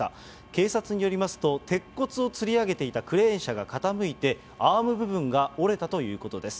警察によりますと、鉄骨をつり上げていたクレーン車が傾いて、アーム部分が折れたということです。